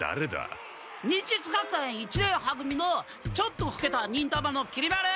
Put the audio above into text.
忍術学園一年は組のちょっとふけた忍たまのきり丸！